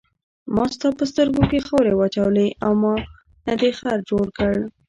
ما ستا په سترګو کې خاورې واچولې او ما نه دې خر جوړ کړ.